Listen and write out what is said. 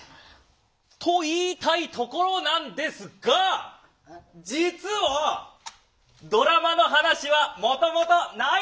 と言いたいところなんですが実はドラマの話はもともとないんです。